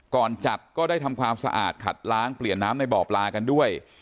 ก่อนจัดก็ได้ทำความสะอาดขัดล้างเปลี่ยนน้ำในบ่อปลากันด้วย